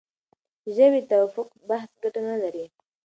د ژبې د تفوق بحث ګټه نه لري.